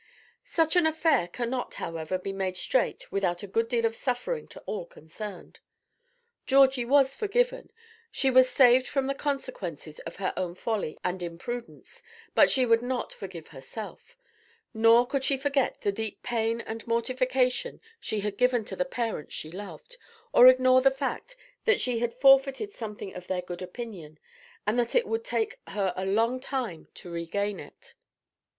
Such an affair cannot, however, be made straight without a good deal of suffering to all concerned. Georgie was forgiven. She was saved from the consequences of her own folly and imprudence; but she could not forgive herself, nor could she forget the deep pain and mortification she had given to the parents she loved, or ignore the fact that she had forfeited something of their good opinion, and that it would take her a long time to regain it.